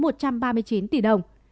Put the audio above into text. một trăm ba mươi chín tỷ đồng